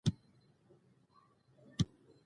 د اندازه کولو لمنه یې کوچنۍ طرحه او جوړېږي.